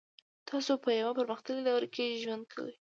تاسو په یوه پرمختللې دوره کې ژوند کوئ